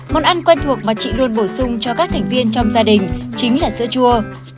món ăn quen thuộc mà chị luôn bổ sung cho các thành viên trong gia đình chính là sữa chua